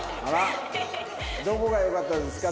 どこがよかったですか？